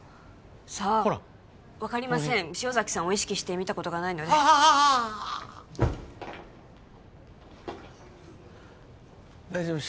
さあほら分かりません塩崎さんを意識して見たことがないのではあああ大丈夫？